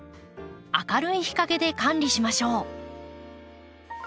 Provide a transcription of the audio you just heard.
明るい日陰で管理しましょう。